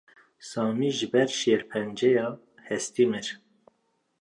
Samî ji ber şêrpenceya hestî mir.